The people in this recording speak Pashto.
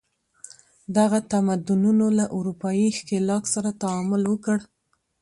دغه تمدنونو له اروپايي ښکېلاک سره تعامل وکړ.